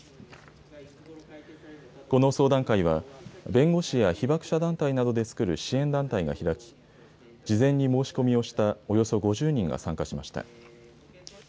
この相談会は、弁護士や被爆者団体などが作る支援団体が開き、事前に申し込みをしたおよそ５０人が参加しました。